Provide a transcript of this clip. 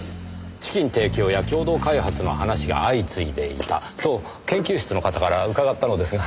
資金提供や共同開発の話が相次いでいたと研究室の方から伺ったのですが。